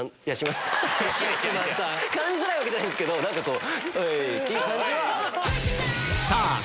絡みづらいわけじゃないんすけど何かこう。